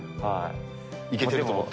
いけてると思って？